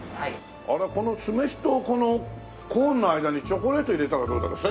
この酢飯とこのコーンの間にチョコレート入れたらどうだろう？